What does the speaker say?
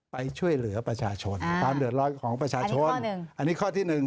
ไปช่วยเหลือประชาชนความเดือดร้อนของประชาชนอันนี้ข้อที่หนึ่ง